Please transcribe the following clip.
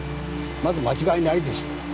まず間違いないでしょう。